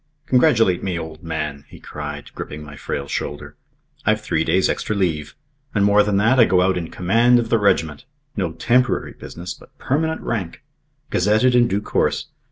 "Congratulate me, old man," he cried, gripping my frail shoulder. "I've three days' extra leave. And more than that, I go out in command of the regiment. No temporary business but permanent rank. Gazetted in due course.